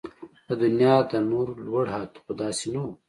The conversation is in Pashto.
د دنيا د نور لوړ حد خو داسې نه و